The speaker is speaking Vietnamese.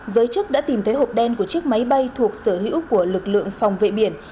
giới chức đã tìm thấy hộp đen của chiếc máy bay thuộc sở hữu của lực lượng phòng vệ biển